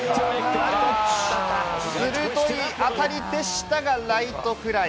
鋭い当たりでしたが、ライトフライ。